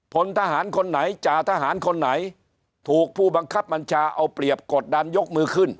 พลทหารคนไหนจ่าทหารคนไหนถูกผู้บังคับบัญชาเอาเปรียบกดดันยกมือขึ้น